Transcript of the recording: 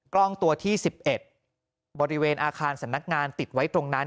กล้องตัวที่๑๑บริเวณอาคารสำนักงานติดไว้ตรงนั้น